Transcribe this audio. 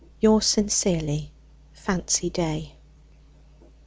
Yours sincerely, "FANCY DAY.